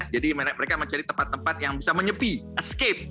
jadi mereka mencari tempat tempat yang bisa menyepi escape